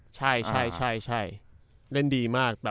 ใช่เล่นดีมาก